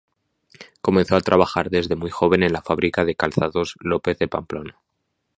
Comenzó a trabajar desde muy joven en la fábrica de calzados López de Pamplona.